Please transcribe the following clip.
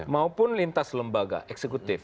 maupun lintas lembaga eksekutif